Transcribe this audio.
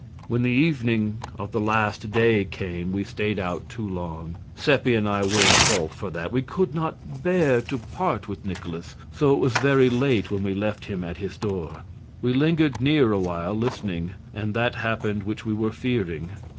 When the evening of the last day came we stayed out too long; Seppi and I were in fault for that; we could not bear to part with Nikolaus; so it was very late when we left him at his door. We lingered near awhile, listening; and that happened which we were fearing.